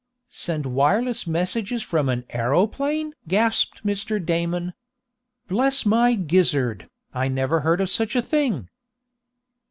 "Send wireless messages from an aeroplane?" gasped Mr. Damon. "Bless my gizzard! I never heard of such a thing!"